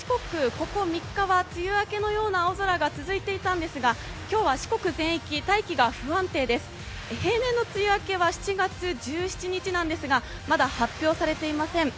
ここ３日は梅雨明けのような青空が続いていたんですが、今日は四国全域、大気が不安定です平年の梅雨明けは７月１７日なんですが、まだ発表されていません。